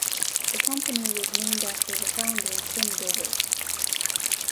The company was named after the founder Tim Gilberts.